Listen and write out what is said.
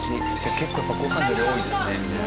結構やっぱご飯の量多いんですね。